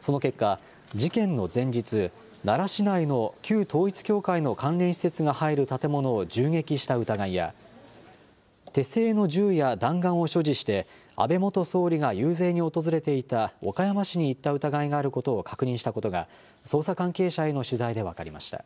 その結果、事件の前日、奈良市内の旧統一教会の関連施設が入る建物を銃撃した疑いや、手製の銃や弾丸を所持して、安倍元総理が遊説に訪れていた岡山市に行った疑いがあることを確認したことが捜査関係者への取材で分かりました。